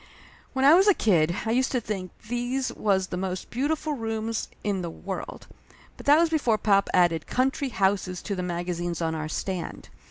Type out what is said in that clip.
When I was a kid I used to think these was the most beautiful rooms in the world, but that was before pop added Country Houses to the magazines on our stand.